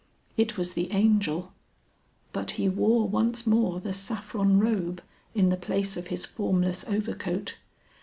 It was the Angel. But he wore once more the saffron robe in the place of his formless overcoat.